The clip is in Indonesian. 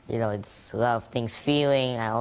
itu adalah banyak perasaan